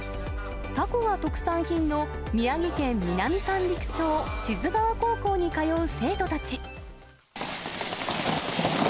たこが特産品の宮城県南三陸町、志津川高校に通う生徒たち。